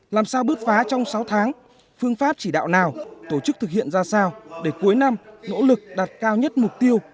làm sao bước phá trong sáu tháng phương pháp chỉ đạo nào tổ chức thực hiện ra sao để cuối năm nỗ lực đạt cao nhất mục tiêu